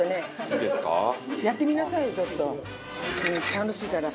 楽しいから。